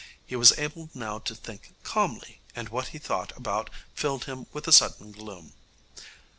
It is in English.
He was able now to think calmly, and what he thought about filled him with a sudden gloom.